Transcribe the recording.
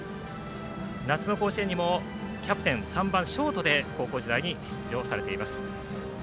夏の甲子園にもキャプテン、３番ショートで高校時代、出場しています。